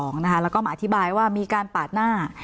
แล้วก็มาอธิบายว่ามีการปาดหน้า